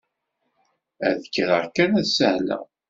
Ad kkreɣ kan ad sahleɣ.